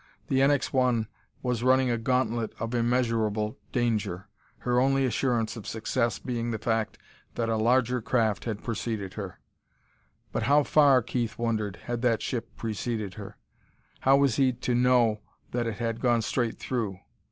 The NX 1 was running a gauntlet of immeasurable danger, her only assurance of success being the fact that a larger craft had preceded her. But how far, Keith wondered, had that ship preceded her? How was he to know that it had gone straight through?